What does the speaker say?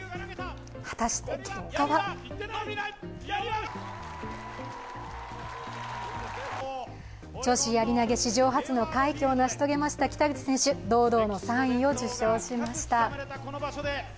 果たして結果は女子やり投史上初の快挙を成し遂げました北口選手、堂々の３位を受賞しました。